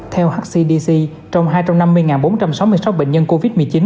theo hcdc trong hai trăm năm mươi bốn trăm sáu mươi sáu bệnh nhân covid một mươi chín